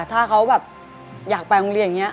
ถ้าเขาแบบอยากไปโรงเรียนอย่างนี้